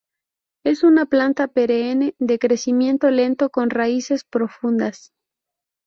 Es una planta perenne, de crecimiento lento, con raíces profundas.